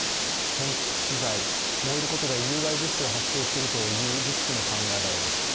建築資材、燃えることで有害物質が発生するというリスクも考えられます。